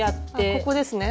ここですね？